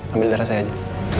ambil darah saya aja